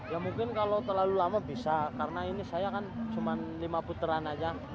ya mungkin kalau terlalu lama bisa karena ini saya kan cuma lima puteran aja